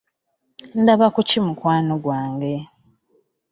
Ndaba ku ki mukwano gange.